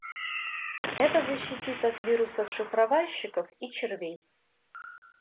Это защитит от вирусов-шифровальщиков и червей